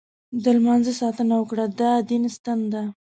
د لمانځه ساتنه وکړه، دا دین ستن ده.